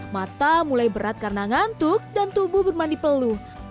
mata mulai berat karena ngantuk dan tubuh bermandi peluh